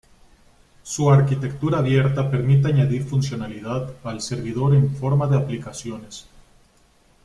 Su arquitectura abierta permite añadir funcionalidad al servidor en forma de aplicaciones.